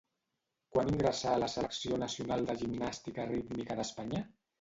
Quan ingressà a la selecció nacional de gimnàstica rítmica d'Espanya?